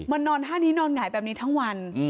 นอนท่านี้นอนหงายแบบนี้ทั้งวัน